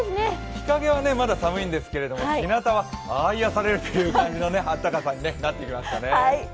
日陰はまだ寒いんですけれども、ひなたはああ、癒やされるという感じになってきましたね。